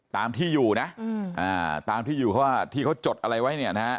ตามที่อยู่นะตามที่อยู่เพราะว่าที่เขาจดอะไรไว้